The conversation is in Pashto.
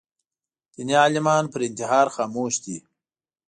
دیني عالمان پر انتحار خاموش دي